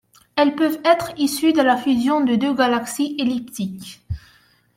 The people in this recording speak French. Elles peuvent être issues de la fusion de deux galaxies elliptiques.